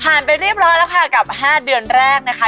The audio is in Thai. ไปเรียบร้อยแล้วค่ะกับ๕เดือนแรกนะคะ